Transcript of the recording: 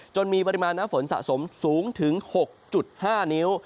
มีปริมาณน้ำฝนสะสมสูงถึง๖๕นิ้ว